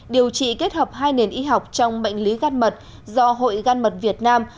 điều trị kết hợp hai nền y học trong bệnh lý gan mật do hội gan mật việt nam